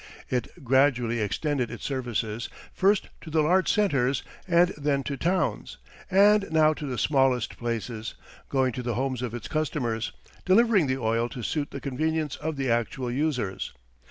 It gradually extended its services first to the large centres, and then to towns, and now to the smallest places, going to the homes of its customers, delivering the oil to suit the convenience of the actual users.